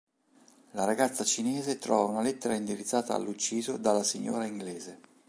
La ragazza cinese trova una lettera indirizzata all'ucciso dalla signora inglese.